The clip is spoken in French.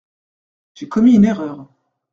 J’ai commis une erreur.